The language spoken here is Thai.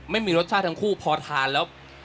ไม่มีรสชาติทั้งคู่พอทานแล้ว